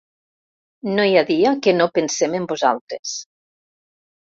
No hi ha dia que no pensem en vosaltres.